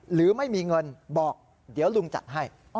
หรือไม่มีเงินบอกเดี๋ยวลุงจัดให้